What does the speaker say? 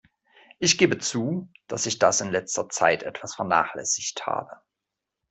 Ich gebe zu, dass ich das in letzter Zeit etwas vernachlässigt habe.